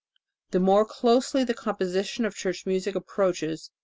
. the more closely the composition of church music approaches